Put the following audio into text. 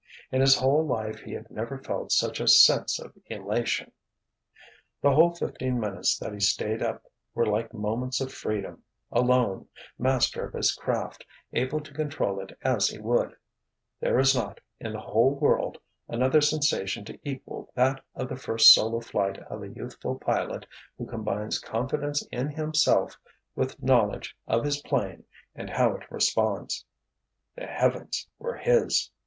In his whole life he had never felt such a sense of elation! The whole fifteen minutes that he stayed up were like moments of freedom—alone, master of his craft, able to control it as he would—there is not, in the whole world, another sensation to equal that of the first solo flight of a youthful pilot who combines confidence in himself with knowledge of his 'plane and how it responds. The heavens were his!